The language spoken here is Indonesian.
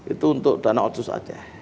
itu untuk dana otsus saja